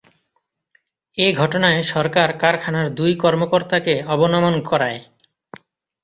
এ ঘটনায় সরকার কারখানার দুই কর্মকর্তাকে অবনমন করায়।